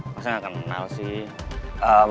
masa gak kenal sih